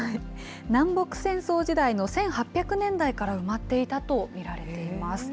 南北戦争時代の１８００年代から埋まっていたと見られています。